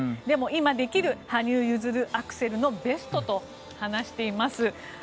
でも、今できる羽生結弦アクセルのベストと話しています。